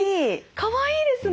かわいいですね。